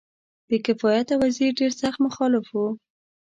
بې کفایته وزیر ډېر سخت مخالف وو.